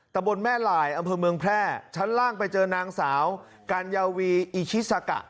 ตะบนแม่หลายอำเภอเมืองแพร่ชั้นล่างไปเจอนางสาวกัญญาวีอิชิซากะ